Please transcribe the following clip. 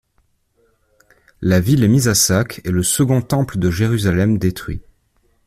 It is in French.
La ville est mise à sac, et le second Temple de Jérusalem détruit.